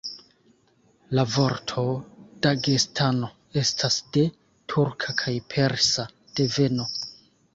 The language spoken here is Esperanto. La vorto Dagestano estas de turka kaj persa deveno.